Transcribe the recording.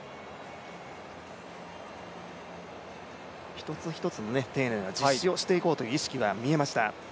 一つ一つ、丁寧に実施していこうという動きは見えました。